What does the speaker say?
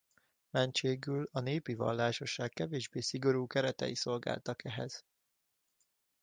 Mentségül a népi vallásosság kevésbé szigorú keretei szolgáltak ehhez.